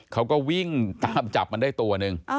เขาก็วิ่งตามจับมันได้ตัวหนึ่ง